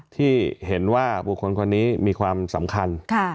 ที่เห็นว่าบุคคลคนนี้มีความสำคัญ